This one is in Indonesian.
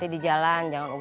tiada ga bagian kingston